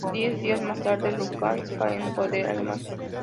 Diez días más tarde Lugansk cae en poder alemán.